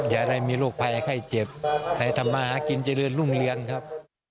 อย่าได้มีโรคภัยไข้เจ็บให้ทำมาหากินเจริญรุ่งเรืองครับ